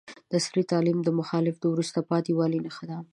د عصري تعلیم مخالفت د وروسته پاتې والي نښه ده.